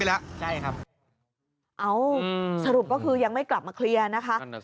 แล้วสรุปก็คือยังไม่กลับมาเคลียร์นะคะ